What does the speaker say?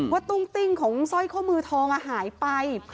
ตุ้งติ้งของสร้อยข้อมือทองหายไป